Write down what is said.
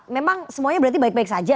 memang semuanya berarti baik baik saja